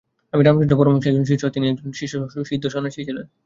আমি রামকৃষ্ণ পরমহংসের একজন শিষ্য, তিনি একজন সিদ্ধ সন্ন্যাসী ছিলেন।